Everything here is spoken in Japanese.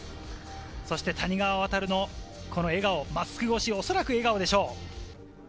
そして谷川航のこの笑顔、マスク越し、おそらく笑顔でしょう。